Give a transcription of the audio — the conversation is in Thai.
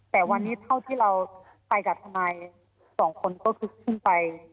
แต่วันนี้เท่าที่เราไปกับทนายสองคนก็คือขึ้นไป